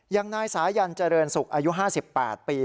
อย่างนายสายันเจริญศุกร์อายุ๕๘ปี